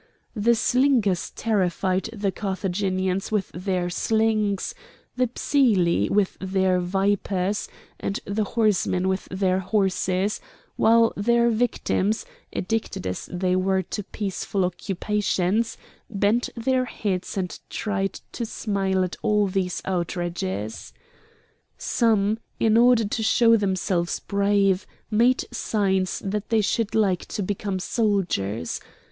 The slingers terrified the Carthaginians with their slings, the Psylli with their vipers, and the horsemen with their horses, while their victims, addicted as they were to peaceful occupations, bent their heads and tried to smile at all these outrages. Some, in order to show themselves brave, made signs that they should like to become soldiers.